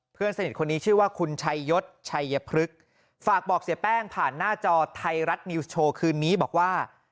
เพื่อนสนิทคนนี้ชื่อว่าคุณชัยยศชัยพฤกษ์ฝากบอกเสียแป้งผ่านหน้าจอไทยรัฐนิวส์โชว์คืนนี้บอกว่า